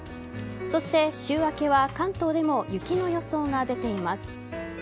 そして週明けは関東でも雪の予想が出ています。